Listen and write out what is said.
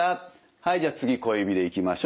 はいじゃあ次小指でいきましょう。